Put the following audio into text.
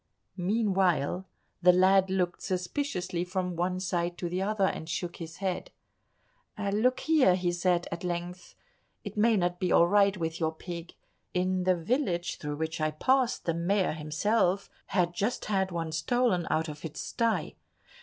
Meanwhile the lad looked suspiciously from one side to the other, and shook his head. "Look here," he said at length, "it may not be all right with your pig. In the village through which I passed, the Mayor himself had just had one stolen out of its sty.